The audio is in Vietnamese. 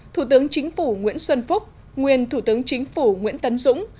thủ tướng chính phủ nguyễn xuân phúc nguyên thủ tướng chính phủ nguyễn tấn dũng